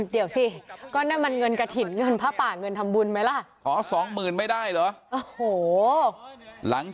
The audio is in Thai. เดี๋ยวสิก็นั่นมันเงินกระถิ่นเงินผ้าป่าเงินทำบุญไหมล่ะขอสองหมื่นไม่ได้เหรอ